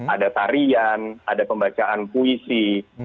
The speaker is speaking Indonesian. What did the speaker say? ada tarian ada pembacaan puisi